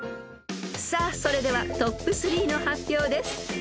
［さあそれではＴＯＰ３の発表です］